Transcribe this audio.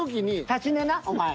立ち寝なお前。